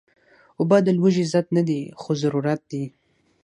اوبه د لوږې ضد نه دي، خو ضرورت دي